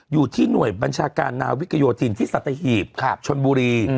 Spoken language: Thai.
อยู่ที่หน่วยบัญชาการนาวิกโยธินที่สัตหีบชนบุรี